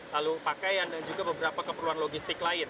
lalu pakaian dan juga beberapa keperluan logistik lain